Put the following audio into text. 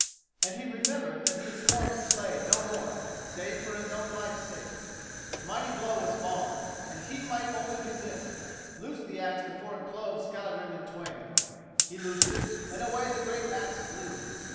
_"—and he remembered that he had sworn to slay no more, save for his own life's sake. The mighty blow was falling and he might only do this—loose the axe before it clove Skallagrim in twain. He loosed and away the great axe flew.